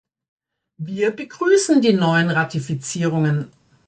Wir begrüßen die neuen Ratifizierungen.